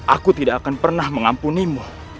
aku tidak akan pernah mengampunimu